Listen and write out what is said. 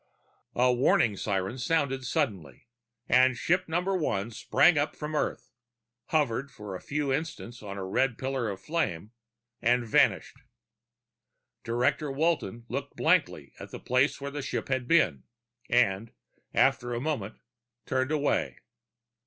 _ A warning siren sounded suddenly, and ship number one sprang up from Earth, hovered for a few instants on a red pillar of fire, and vanished. Director Walton looked blankly at the place where the ship had been, and, after a moment, turned away.